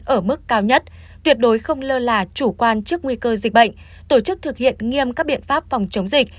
ở mức cao nhất tuyệt đối không lơ là chủ quan trước nguy cơ dịch bệnh tổ chức thực hiện nghiêm các biện pháp phòng chống dịch